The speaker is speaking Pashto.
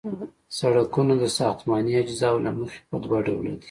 سرکونه د ساختماني اجزاوو له مخې په دوه ډلو دي